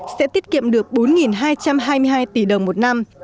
sẽ tiết kiệm được bốn hai trăm hai mươi hai tỷ đồng một năm